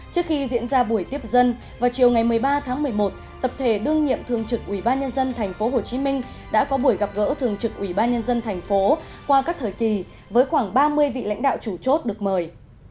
trước khi diễn ra buổi tiếp dân vào chiều ngày một mươi ba tháng một mươi một tập thể đương nhiệm thường trực ubnd tp hcm đã có buổi gặp gỡ thường trực ubnd tp hcm qua các thời kỳ với khoảng ba mươi vị lãnh đạo chủ chốt được mời